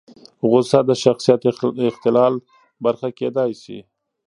غوسه د شخصیت اختلال برخه کېدای شي.